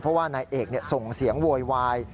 เพราะว่านายเอกส่งเสียงโวยวาย